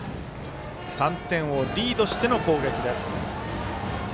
３点をリードしての攻撃です。